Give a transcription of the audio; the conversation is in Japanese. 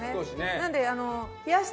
なんで。